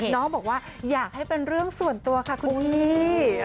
น้องบอกว่าอยากให้เป็นเรื่องส่วนตัวค่ะคุณพี่